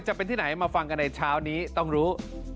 จะเป็นที่ไหนมาฟังกันในเช้านี้ต้องรู้